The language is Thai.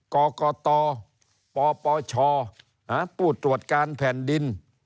กกตปปชผู้ตรวจการแผ่นดิน